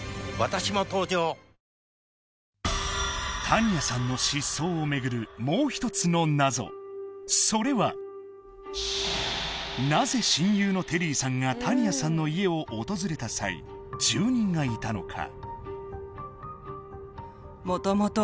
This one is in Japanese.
タニアさんの失踪をめぐるもう一つの謎それはなぜ親友のテリーさんがタニアさんの家を訪れた際住人がいたのか？